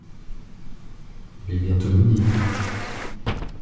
Il est bientôt midi…